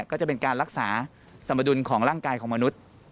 ก็จะเป็นการรักษาสมดุลของร่างกายของมนุษย์